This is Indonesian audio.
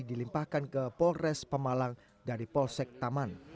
dilimpahkan ke polres pemalang dari polsek taman